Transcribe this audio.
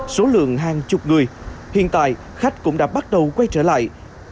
số lượng hàng chục người hiện tại khách cũng đã bắt đầu quay trở lại